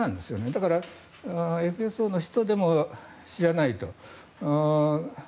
だからＦＳＯの人でも知らないと。